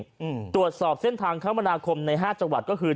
อืมตรวจสอบเส้นทางคมนาคมในห้าจังหวัดก็คือ